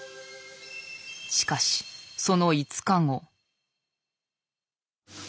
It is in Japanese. しかしその５日後。